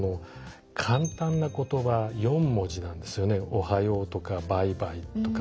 「おはよう」とか「バイバイ」とか。